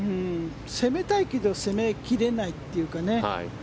攻めたいけど攻め切れないっていうかね。